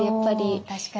お確かに。